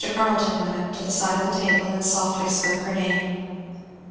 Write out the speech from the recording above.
Carleton went up to the side of the table and softly spoke her name.